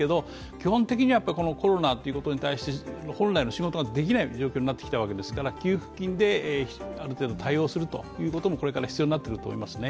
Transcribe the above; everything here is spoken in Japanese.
基本的にはコロナに対して、本来の仕事ができない状況になってきましたから給付金である程度対応することもこれから必要になってくると思いますね。